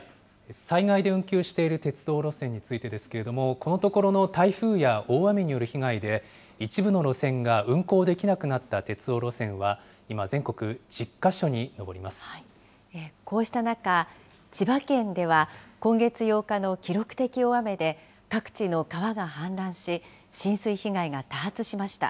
災害で運休している鉄道路線についてですけれども、このところの台風や大雨による被害で、一部の路線が運行できなくなった鉄道路線は今、こうした中、千葉県では今月８日の記録的大雨で、各地の川が氾濫し、浸水被害が多発しました。